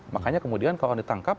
makanya kemudian kalau ditangkap